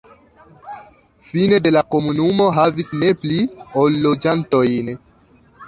Fine de la komunumo havis ne pli ol loĝantojn.